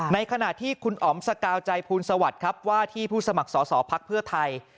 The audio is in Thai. ในขณะที่คุณอ๋อมสกาวใจภูลสวัสดิ์ครับว่าที่ผู้สมัครสอสอภักดิ์เพื่อไทย